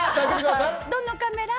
どのカメラ？